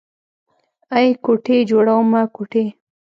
ای کوټې جوړومه کوټې.